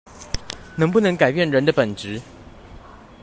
能不能改變人的本質